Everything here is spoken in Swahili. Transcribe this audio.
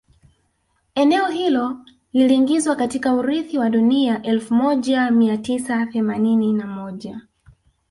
Eneo hilo liliingizwa katika urithi wa dunia elfu moja mia tisa themanini na moja